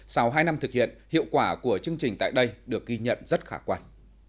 sau hai năm thực hiện hiệu quả của chương trình tại đây được ghi nhận rất khả quan